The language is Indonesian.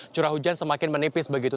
curah hujan semakin menipis begitu